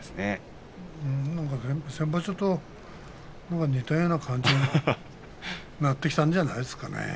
先場所と似たような感じになってきたんじゃないですか。